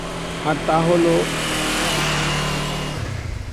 আর তা হলো এর চোয়াল ভি আকৃতির।